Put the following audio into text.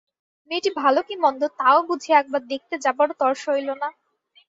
মেয়েটি ভালো কি মন্দ তাও বুঝি একবার দেখতে যাবারও তর সইল না।